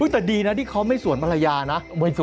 แต่ดีนะที่เขาไม่สวนภรรยานะ